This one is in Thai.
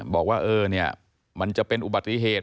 บอกว่าเอ้อมันจะเป็นอุบัติเหตุ